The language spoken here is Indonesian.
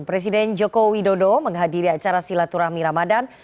presiden joko widodo menghadiri acara silaturahmi ramadan